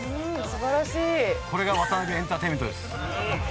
これがワタナベエンターテインメントです。